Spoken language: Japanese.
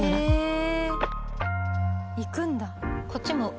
行くんだ。